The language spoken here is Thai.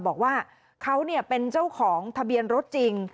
บอกว่าเขาเป็นเจ้าของทะเบียนรถจริง